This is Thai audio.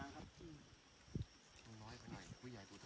กลับไปแล้วจะถ่ายแล้วไม่ได้ถึงมะแรง